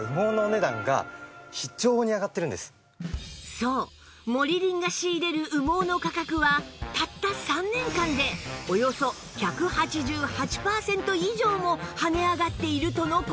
そうモリリンが仕入れる羽毛の価格はたった３年間でおよそ１８８パーセント以上も跳ね上がっているとの事